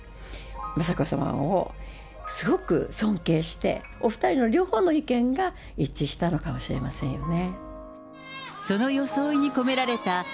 雅子さまをすごく尊敬して、お２人の両方の意見が一致したのかもしれませんよね。